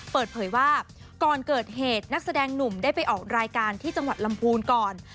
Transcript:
เปิดเผยว่าก่อนเกิดเหตุนักแสดงหนุ่มได้ไปออกรายการที่จังหวัดลำพูนก่อน